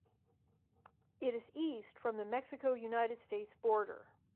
It is east from the Mexico-United States border.